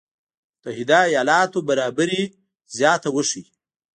متحده ایالاتو برابري زياته وښيي.